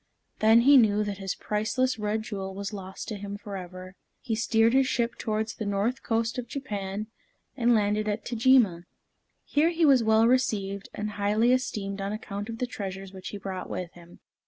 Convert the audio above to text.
Then he knew that his priceless red jewel was lost to him forever. He steered his ship towards the north coast of Japan, and landed at Tajima. Here he was well received, and highly esteemed on account of the treasures which he brought with him.